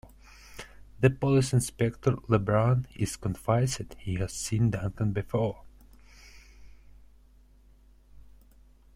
The police inspector, LeBrun, is convinced he has seen Duncan before.